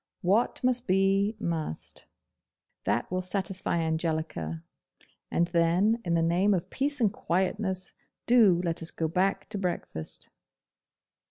What must be, must. That will satisfy Angelica, and then, in the name of peace and quietness, do let us go back to breakfast.